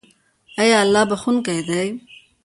آیا الله بخښونکی دی؟